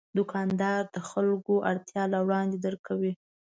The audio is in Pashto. دوکاندار د خلکو اړتیا له وړاندې درک کوي.